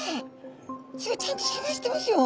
ちゃんと探してますよ！